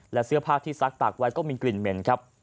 และเสื้อผ้าที่ซักตากไว้ก็มีกลิ่นเหม็นครับ